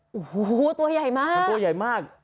โอ้โหตัวใหญ่มากมันตัวใหญ่มาก